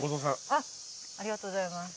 ありがとうございます。